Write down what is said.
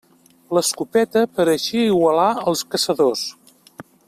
L'escopeta pareixia igualar els caçadors.